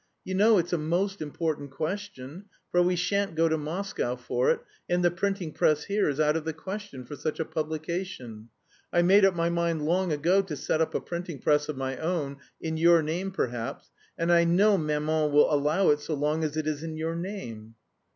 You know it's a most important question, for we shan't go to Moscow for it, and the printing press here is out of the question for such a publication. I made up my mind long ago to set up a printing press of my own, in your name perhaps and I know maman will allow it so long as it is in your name...."